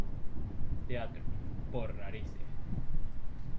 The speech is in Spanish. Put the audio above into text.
Teatro: Por narices.